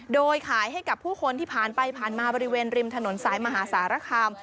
โดยขายให้กับผู้คนที่ผ่านไปผ่านมาบริเวณริมถนนสายมหาสารคาม